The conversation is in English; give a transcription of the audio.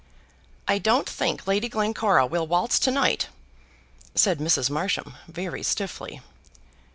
"I don't think Lady Glencora will waltz to night," said Mrs. Marsham, very stiffly.